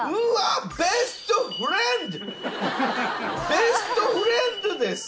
ベストフレンドです！